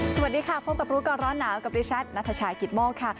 สวัสดีค่ะพร้อมต่อปรุ๊กก่อนร้อนหนาวกับดิฉันนัทชายกิตโม่ค่ะ